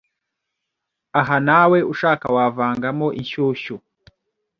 Aha nawe ushaka wavangamo inshyushyu